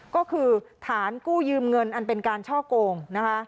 ก็คือฐานกู้ยืมเงินอันเป็นการช่อโกงนะคะ